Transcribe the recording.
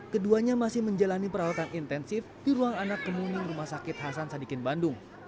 keduanya masih menjalani perawatan intensif di ruang anak kemuning rumah sakit hasan sadikin bandung